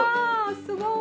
すごい。